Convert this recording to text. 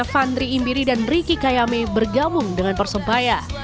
fandri indiri dan riki kayame bergabung dengan persebaya